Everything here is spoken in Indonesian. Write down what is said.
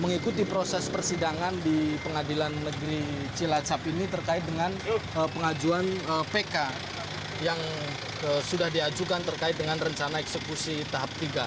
mengikuti proses persidangan di pengadilan negeri cilacap ini terkait dengan pengajuan pk yang sudah diajukan terkait dengan rencana eksekusi tahap tiga